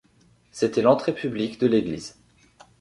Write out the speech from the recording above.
C’était l’entrée publique de l’église.